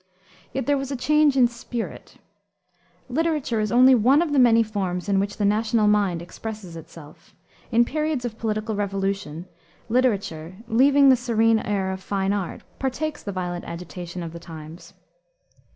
Yet there was a change in spirit. Literature is only one of the many forms in which the national mind expresses itself. In periods of political revolution, literature, leaving the serene air of fine art, partakes the violent agitation of the times.